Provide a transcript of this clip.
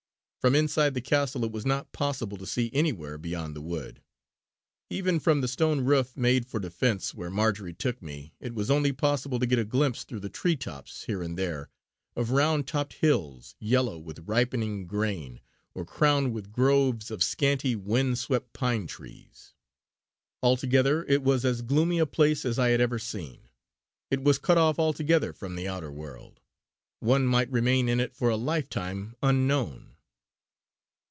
From inside the castle it was not possible to see anywhere beyond the wood. Even from the stone roof, made for defence, where Marjory took me, it was only possible to get a glimpse through the tree tops here and there of round topped hills yellow with ripening grain or crowned with groves of scanty wind swept pine trees. Altogether it was as gloomy a place as I had ever seen. It was cut off altogether from the outer world; one might remain in it for a life time unknown.